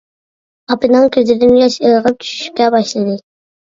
ئاپىنىڭ كۆزىدىن ياش ئىرغىپ چۈشۈشكە باشلىدى.